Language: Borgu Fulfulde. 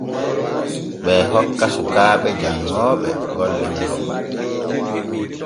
Ɓee hokka sukaaɓe janŋooɓe golle wuro.